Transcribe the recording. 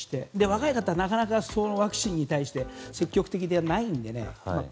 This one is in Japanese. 若い方は、なかなかワクチンに対して積極的ではないので。